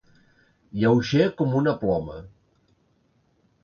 Lleuger com una ploma.